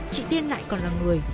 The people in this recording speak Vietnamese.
chị tiên lại còn là người